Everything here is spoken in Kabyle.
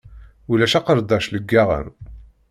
Ulac aqerdac leggaɣen.